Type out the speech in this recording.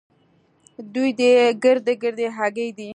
دوې دې ګردۍ ګردۍ هګۍ دي.